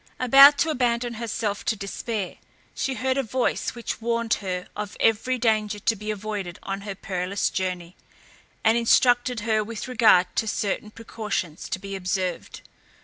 About to abandon herself to despair, she heard a voice which warned her of every danger to be avoided on her perilous journey, and instructed her with regard to certain precautions to be observed.